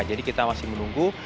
jadi kita masih menunggu